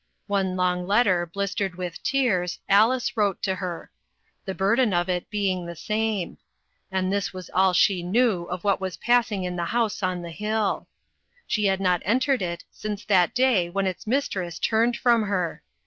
One long letter, blistered with tears, Alice wrote to her; the burden of it being the same ; and this was all she knew of what was passing in 4O2 INTERRUPTED. the house on the hill. She had not entered it since that day when its mistress turned from her.